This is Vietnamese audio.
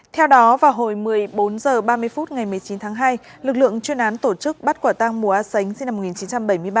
theo đó vào hồi một mươi bốn h ba mươi phút ngày một mươi chín tháng hai lực lượng chuyên án tổ chức bắt quả tăng mùa á sánh sinh năm một nghìn chín trăm bảy mươi ba